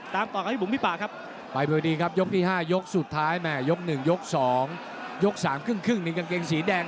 สวัสดีครับยกที่๕ยกสุดท้ายมายก๑ยก๒ยก๓๕วันกางเกงสีแดง